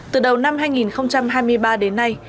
từ đầu năm hai nghìn hai mươi ba đến nay